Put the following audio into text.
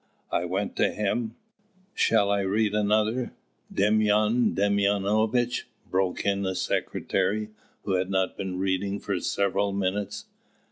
I went to him " "Shall I read another, Demyan Demyanovitch?" broke in the secretary, who had not been reading for several minutes.